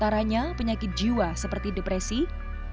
di antaranya penyakit jiwa seperti depresi kegagalan dan kegagalan